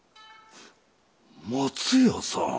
松屋さん。